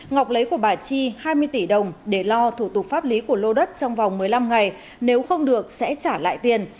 ngọc lấy của bà chi hai mươi tỷ đồng để lo thủ tục pháp lý của lô đất trong vòng một mươi năm ngày nếu không được sẽ trả lại tiền